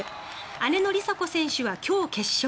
姉の梨紗子選手は今日、決勝。